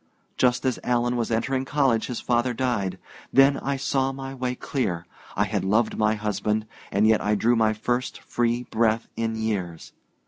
Just as Alan was entering college his father died. Then I saw my way clear. I had loved my husband and yet I drew my first free breath in years.